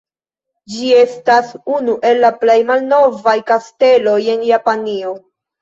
Ĝi estas unu el la plej malnovaj kasteloj en Japanio.